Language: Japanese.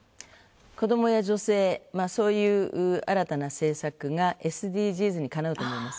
子どもや女性、そういう新たな政策がＳＤＧｓにかなうと思います。